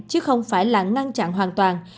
chứ không phải là ngăn chặn hoàn toàn